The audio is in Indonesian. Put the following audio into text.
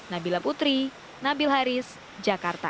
nabila putri nabil haris jakarta